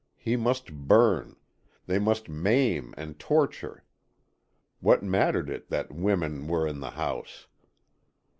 He must burn; they must maim and torture. What mattered it that women were in the house.